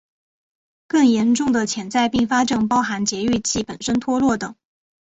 更严重的潜在并发症包含节育器本身脱落等。